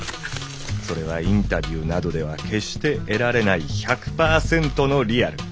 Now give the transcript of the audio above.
それはインタビューなどでは決して得られない１００％の「リアル」。